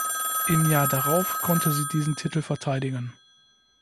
Im Jahr darauf konnte sie diesen Titel verteidigen.